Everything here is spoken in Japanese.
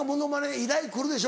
依頼来るでしょ？